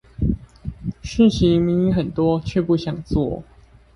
事情明明很多卻不想做